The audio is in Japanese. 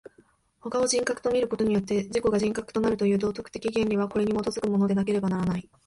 他を人格と見ることによって自己が人格となるという道徳的原理は、これに基づくものでなければならない。